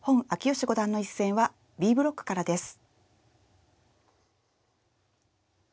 義五段の一戦はＢブロックからです。